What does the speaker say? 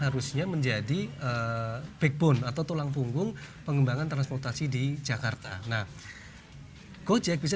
harusnya menjadi backbone atau tulang punggung pengembangan transportasi di jakarta nah gojek bisa